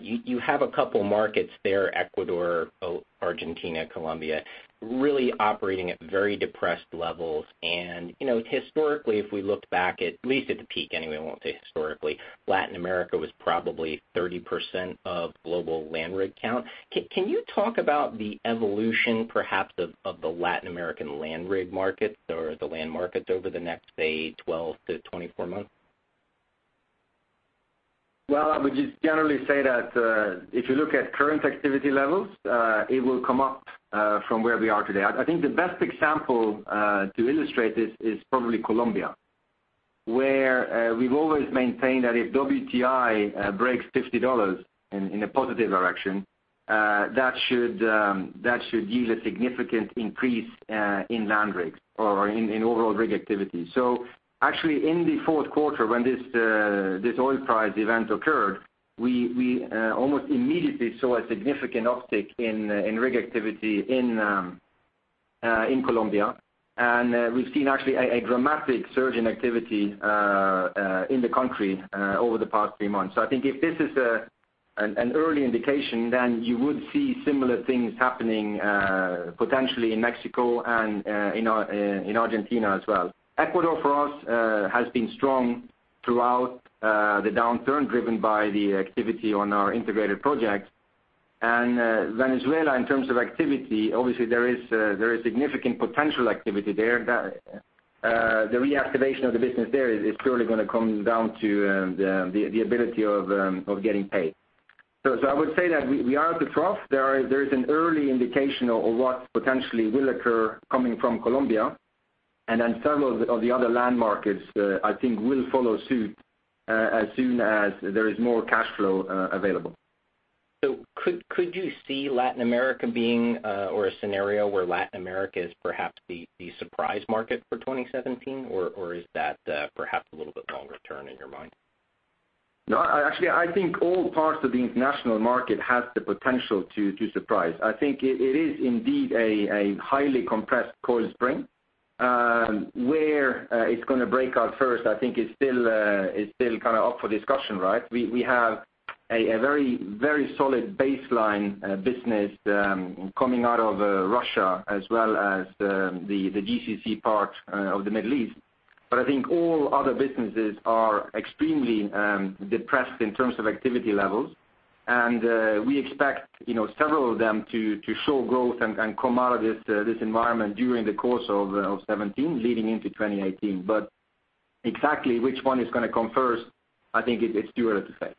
You have a couple markets there, Ecuador, Argentina, Colombia, really operating at very depressed levels. Historically, if we look back at least at the peak anyway, I won't say historically, Latin America was probably 30% of global land rig count. Can you talk about the evolution perhaps of the Latin American land rig markets or the land markets over the next, say, 12 to 24 months? Well, I would just generally say that, if you look at current activity levels, it will come up from where we are today. I think the best example to illustrate this is probably Colombia, where we've always maintained that if WTI breaks $50 in a positive direction, that should yield a significant increase in land rigs or in overall rig activity. Actually in the fourth quarter when this oil price event occurred, we almost immediately saw a significant uptick in rig activity in Colombia. We've seen actually a dramatic surge in activity in the country over the past three months. I think if this is an early indication, then you would see similar things happening potentially in Mexico and in Argentina as well. Ecuador for us, has been strong throughout the downturn driven by the activity on our integrated project. Venezuela in terms of activity, obviously there is significant potential activity there. The reactivation of the business there is purely going to come down to the ability of getting paid. I would say that we are at the trough. There is an early indication of what potentially will occur coming from Colombia, some of the other land markets, I think will follow suit, as soon as there is more cash flow available. Could you see Latin America being, or a scenario where Latin America is perhaps the surprise market for 2017? Or is that perhaps a little bit longer turn in your mind? No, actually, I think all parts of the international market has the potential to surprise. I think it is indeed a highly compressed coil spring. Where it's going to break out first, I think is still kind of up for discussion, right? We have a very solid baseline business coming out of Russia as well as the GCC part of the Middle East. I think all other businesses are extremely depressed in terms of activity levels. We expect several of them to show growth and come out of this environment during the course of 2017 leading into 2018. Exactly which one is going to come first, I think it's too early to say.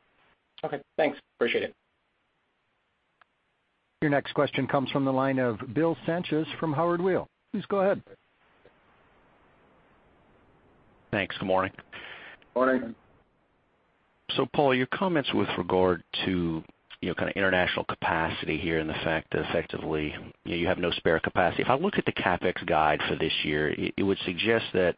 Okay, thanks. Appreciate it. Your next question comes from the line of Bill Sanchez from Howard Weil. Please go ahead. Thanks. Good morning. Morning. Paal, your comments with regard to kind of international capacity here and the fact that effectively you have no spare capacity. If I looked at the CapEx guide for this year, it would suggest that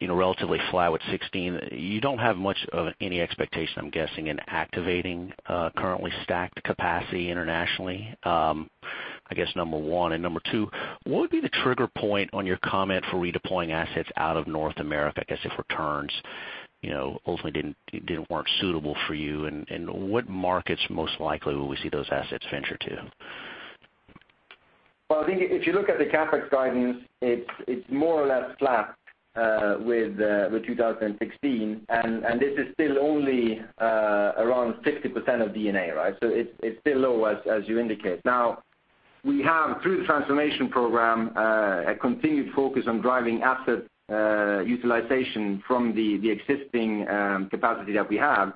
relatively flat with 2016. You don't have much of any expectation, I'm guessing, in activating currently stacked capacity internationally, I guess, number 1. Number 2, what would be the trigger point on your comment for redeploying assets out of North America, I guess, if returns ultimately didn't work suitable for you? What markets most likely will we see those assets venture to? I think if you look at the CapEx guidance, it's more or less flat with 2016, this is still only around 60% of D&A, right? It's still low as you indicate. Now, we have through the transformation program a continued focus on driving asset utilization from the existing capacity that we have.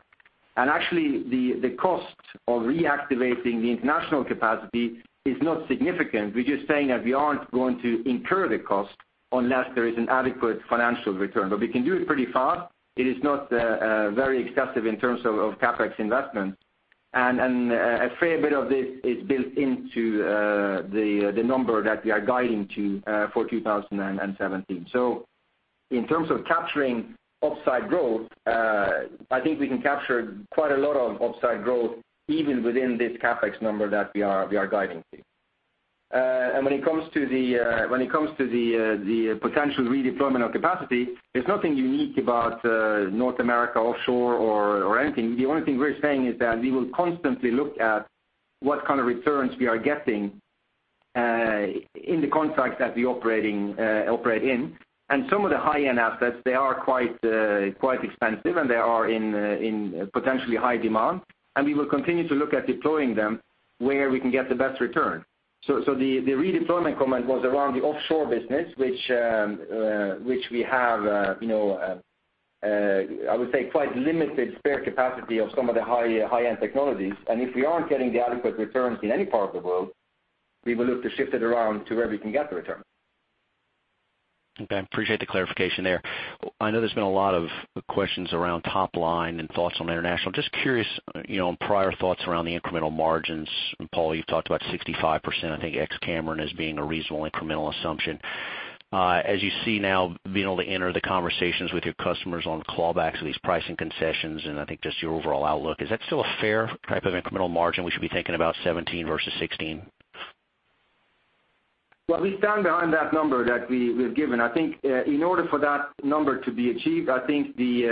Actually, the cost of reactivating the international capacity is not significant. We're just saying that we aren't going to incur the cost unless there is an adequate financial return. We can do it pretty fast. It is not very expensive in terms of CapEx investment. A fair bit of this is built into the number that we are guiding to for 2017. In terms of capturing upside growth, I think we can capture quite a lot of upside growth even within this CapEx number that we are guiding to. When it comes to the potential redeployment of capacity, there's nothing unique about North America offshore or anything. The only thing we're saying is that we will constantly look at what kind of returns we are getting in the contracts that we operate in. Some of the high-end assets, they are quite expensive, and they are in potentially high demand. We will continue to look at deploying them where we can get the best return. The redeployment comment was around the offshore business, which we have, I would say, quite limited spare capacity of some of the high-end technologies. If we aren't getting the adequate returns in any part of the world, we will look to shift it around to where we can get the return. Okay. I appreciate the clarification there. I know there's been a lot of questions around top line and thoughts on international. Just curious, on prior thoughts around the incremental margins, and Paal, you've talked about 65%, I think ex Cameron as being a reasonable incremental assumption. As you see now being able to enter the conversations with your customers on clawbacks of these pricing concessions and I think just your overall outlook, is that still a fair type of incremental margin we should be thinking about 2017 versus 2016? We stand behind that number that we've given. I think in order for that number to be achieved, I think we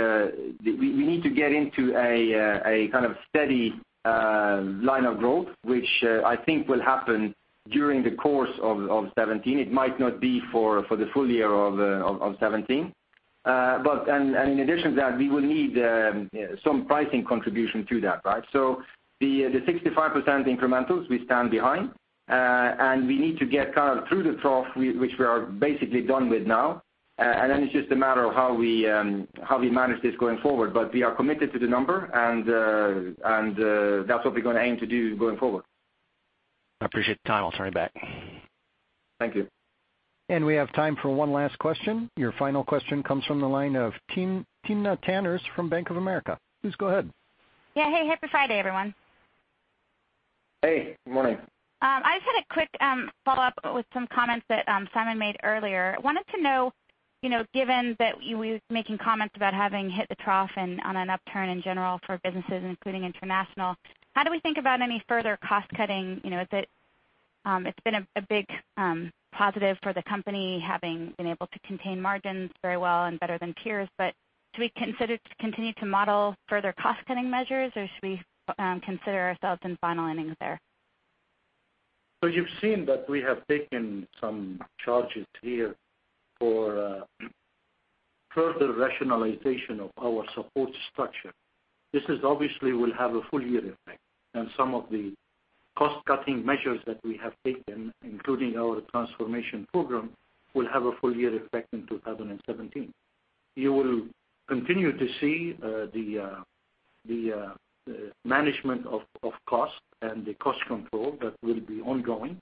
need to get into a kind of steady line of growth, which I think will happen during the course of 2017. It might not be for the full year of 2017. In addition to that, we will need some pricing contribution to that. The 65% incrementals we stand behind. We need to get kind of through the trough, which we are basically done with now. Then it's just a matter of how we manage this going forward. We are committed to the number, and that's what we're going to aim to do going forward. I appreciate the time. I'll turn it back. Thank you. We have time for one last question. Your final question comes from the line of Timna Tanners from Bank of America. Please go ahead. Yeah. Hey, happy Friday, everyone. Hey, good morning. I just had a quick follow-up with some comments that Simon made earlier. Wanted to know, given that he was making comments about having hit the trough and on an upturn in general for businesses, including international, how do we think about any further cost cutting? It's been a big positive for the company having been able to contain margins very well and better than peers, should we consider to continue to model further cost cutting measures, or should we consider ourselves in final innings there? You've seen that we have taken some charges here for further rationalization of our support structure. This obviously will have a full year effect, and some of the cost cutting measures that we have taken, including our transformation program, will have a full year effect in 2017. You will continue to see the management of cost and the cost control that will be ongoing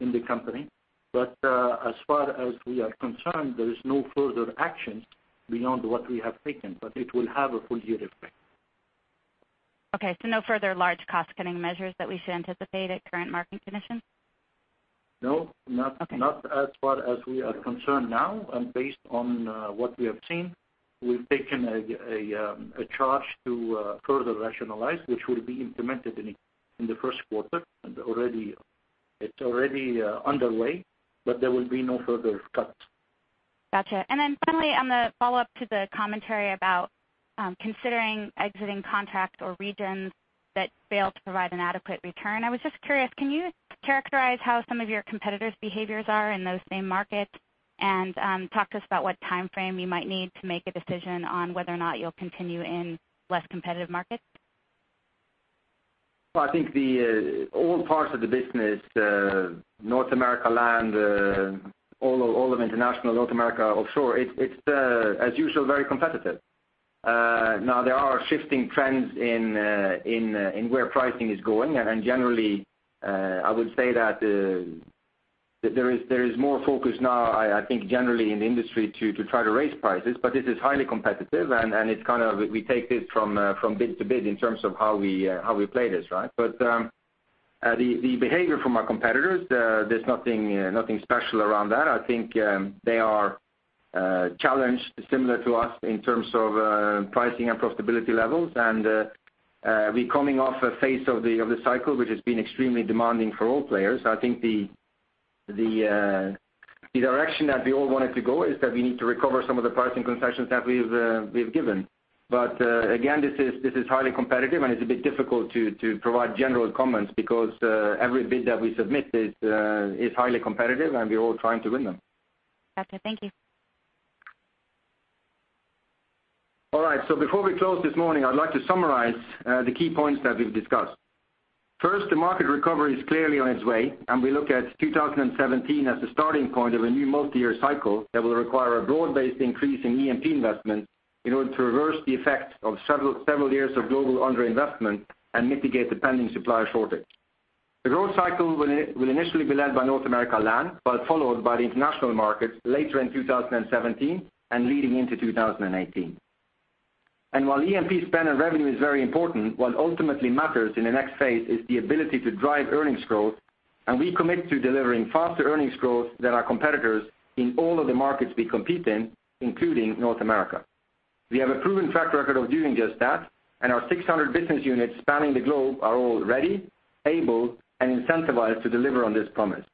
in the company. As far as we are concerned, there is no further action beyond what we have taken, but it will have a full year effect. Okay, no further large cost cutting measures that we should anticipate at current market conditions? No, Okay. Not as far as we are concerned now, based on what we have seen, we've taken a charge to further rationalize, which will be implemented in the first quarter, and it's already underway, there will be no further cuts. Gotcha. Finally, on the follow-up to the commentary about considering exiting contract or regions that fail to provide an adequate return, I was just curious, can you characterize how some of your competitors' behaviors are in those same markets? Talk to us about what timeframe you might need to make a decision on whether or not you'll continue in less competitive markets. Well, I think all parts of the business, North America land, all of international North America offshore, it's as usual, very competitive. Now, there are shifting trends in where pricing is going. Generally, I would say that there is more focus now, I think, generally in the industry to try to raise prices, but it is highly competitive, and it's kind of we take this from bid to bid in terms of how we play this. The behavior from our competitors, there's nothing special around that. I think they are challenged similar to us in terms of pricing and profitability levels. We coming off a phase of the cycle, which has been extremely demanding for all players. I think the direction that we all want it to go is that we need to recover some of the pricing concessions that we've given. Again, this is highly competitive. It's a bit difficult to provide general comments because every bid that we submit is highly competitive, and we're all trying to win them. Gotcha. Thank you. All right. Before we close this morning, I'd like to summarize the key points that we've discussed. First, the market recovery is clearly on its way, we look at 2017 as the starting point of a new multi-year cycle that will require a broad-based increase in E&P investment in order to reverse the effect of several years of global underinvestment and mitigate the pending supply shortage. The growth cycle will initially be led by North America land, followed by the international markets later in 2017 and leading into 2018. While E&P spend and revenue is very important, what ultimately matters in the next phase is the ability to drive earnings growth, we commit to delivering faster earnings growth than our competitors in all of the markets we compete in, including North America. We have a proven track record of doing just that, our 600 business units spanning the globe are all ready, able, and incentivized to deliver on this promise.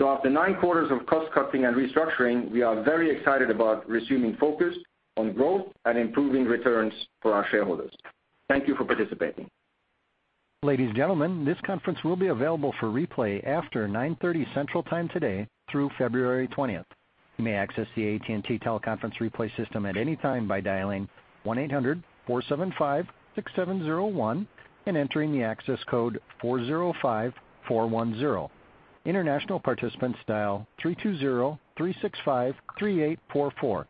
After nine quarters of cost cutting and restructuring, we are very excited about resuming focus on growth and improving returns for our shareholders. Thank you for participating. Ladies and gentlemen, this conference will be available for replay after 9:30 Central Time today through February 20th. You may access the AT&T teleconference replay system at any time by dialing 1-800-475-6701 and entering the access code 405410. International participants dial 320-365-3844.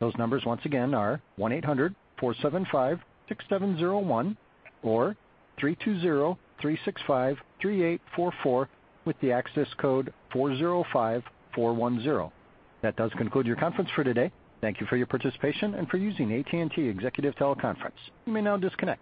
Those numbers once again are 1-800-475-6701 or 320-365-3844 with the access code 405410. That does conclude your conference for today. Thank you for your participation and for using AT&T Executive Teleconference. You may now disconnect.